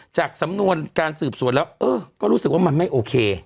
จากสำนวนการสืบสวนแล้วก็รู้สึกว่ามันไม่โอเค